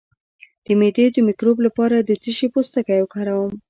د معدې د مکروب لپاره د څه شي پوستکی وکاروم؟